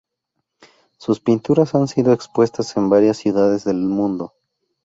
Sus pinturas han sido expuestas en varias ciudades del mundo.